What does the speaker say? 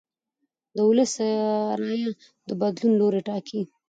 د ولس رایه د بدلون لوری ټاکي